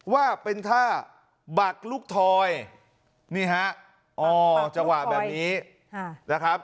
ว่าเป็นท่าบักลูกทอยนี่ฮะอ๋อจังหวะแบบนี้นะครับ